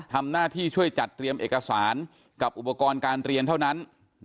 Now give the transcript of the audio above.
ทำหน้าที่ช่วยจัดเตรียมเอกสารกับอุปกรณ์การเรียนเท่านั้น